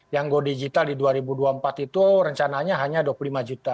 yang go digital di dua ribu dua puluh empat itu rencananya hanya dua puluh lima juta